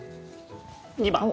２番。